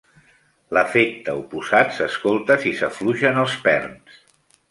L'efecte oposat s'escolta si s'afluixen els perns.